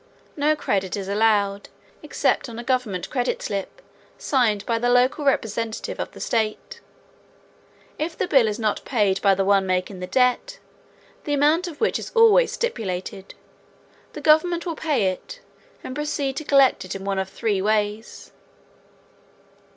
No credit is allowed except on a government credit slip signed by the local representative of the state. If the bill is not paid by the one making the debt, the amount of which is always stipulated, the government will pay it and proceed to collect it in one of three ways.